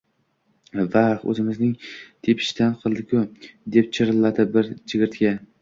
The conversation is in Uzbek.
– Vah! O‘zimizning tepishdan qildi-ku! – deb chirilladi bir chigirtka